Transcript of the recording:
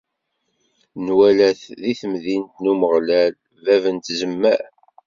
Nwala-t di temdint n Umeɣlal, bab n tzemmar.